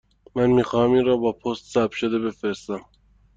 من می خواهم این را با پست ثبت شده بفرستم.